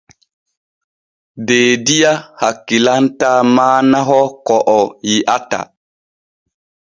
Deediya hakkilantaa maanaho ko o yi’ata.